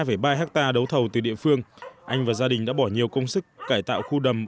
với ba hectare đấu thầu từ địa phương anh và gia đình đã bỏ nhiều công sức cải tạo khu đầm